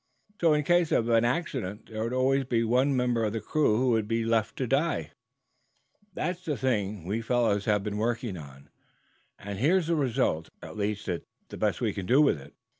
So, in case of accident, there would always be one member of the crew who would have to be left behind to die. That's the thing we fellows have been working on, and here's the result. At least, it's the best we can do with it."